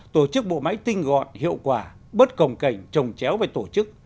tổ chức bộ máy tinh gọn hiệu quả bớt cồng cảnh trồng chéo về tổ chức